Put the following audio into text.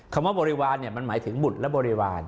คำว่าบริหวานเนี่ยมันหมายถึงบุตรและบริหวาน